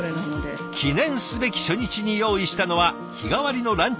記念すべき初日に用意したのは日替わりのランチ